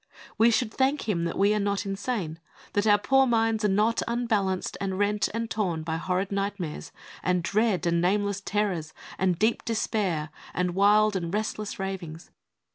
We should thank Him that we are not insane, that our poor minds are not unbalanced and rent and torn by horrid nightmares and dread and nameless terrors and deep despair and wild and restless ravings.